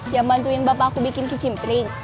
yang bantuin bapak aku bikin kecimpiring